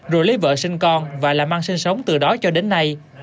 rồi lấy vợ sinh con và làm ăn sinh sống từ đó cho đến nay